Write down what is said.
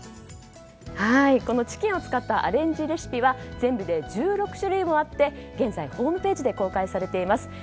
チキンを使ったアレンジレシピは全部で１６種類もあって現在、ホームページで公開されています。